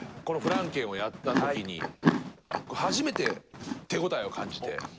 このフランケンをやったときに初めて手応えを感じて。